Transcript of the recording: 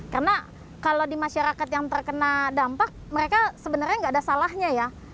karena kalau di masyarakat yang terkena dampak mereka sebenarnya tidak ada salahnya ya